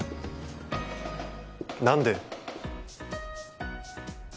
何で。